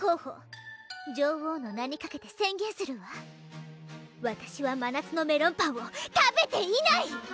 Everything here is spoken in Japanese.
女王の名にかけて宣言するわわたしはまなつのメロンパンを食べていない！